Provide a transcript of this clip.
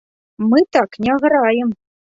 Мы так не граем!